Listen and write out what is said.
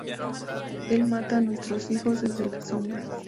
Él mata a nuestros hijos desde las sombras.